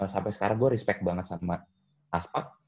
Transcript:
sampai sekarang gue respect banget sama aspak